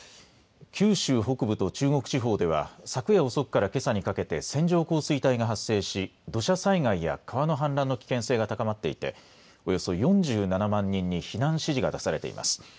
九州北部と中国地方では昨夜遅くからけさにかけて線状降水帯が発生し土砂災害や川の氾濫の危険性が高まっていて、およそ４７万人に避難指示が出されています。